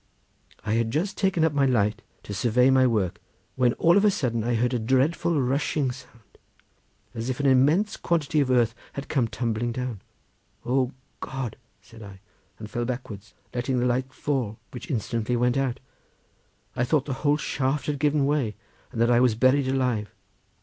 I had just taken up my light to survey my work, when all of a sudden I heard a dreadful rushing noise, as if an immense quantity of earth had come tumbling down. 'O God!' said I, and fell backwards, letting the light fall, which instantly went out. I thought the whole shaft had given way, and that I was buried alive.